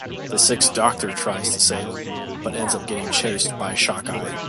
The Sixth Doctor tries to save him, but ends up getting chased by Shockeye.